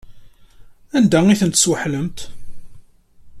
Anda ay tent-tesweḥlemt?